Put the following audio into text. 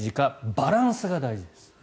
バランスが大事です。